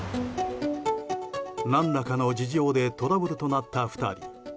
何らかの事情でトラブルとなった２人。